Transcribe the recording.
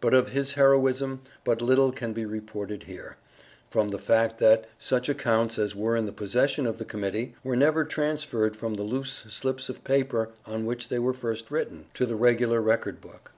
But of his heroism, but little can be reported here, from the fact, that such accounts as were in the possession of the Committee, were never transferred from the loose slips of paper on which they were first written, to the regular record book.